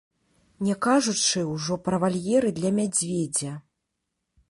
Не кажучы ўжо пра вальеры для мядзведзя.